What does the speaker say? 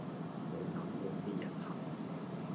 冇諗過呢一刻